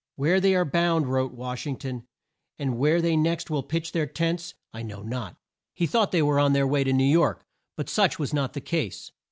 "Where they are bound," wrote Wash ing ton, "and where they next will pitch their tents, I know not." He thought they were on their way to New York, but such was not the case.